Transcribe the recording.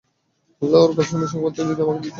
আল্লাহর কসম, এ সংবাদটি যদি আমাকে দিতে!